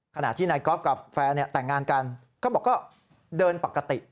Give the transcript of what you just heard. ขณะที่นายก๊อฟกับแฟนแต่งงานกันก็บอกก็เดินปกติ